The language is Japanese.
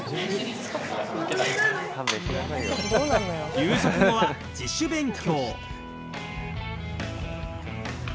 夕食後は自主勉強。